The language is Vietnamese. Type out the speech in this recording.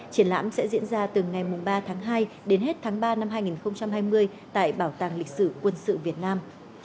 triển lãm sẽ diễn ra từ ngày ba tháng hai đến hết tháng ba năm hai nghìn hai mươi tại bảo tàng lịch sử quân sự việt nam